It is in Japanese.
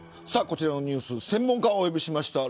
こちらのニュース専門家をお呼びいたしました。